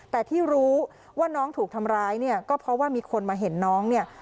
แต่ที่รู้ว่าน้องถูกทำร้ายเนี่ยก็เพราะว่ามีคนมาเห็นน้องเนี่ย